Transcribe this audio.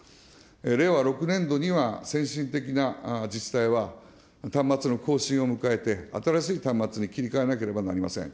令和６年度には先進的な自治体は、端末の更新を迎えて、新しい端末に切り替えなければなりません。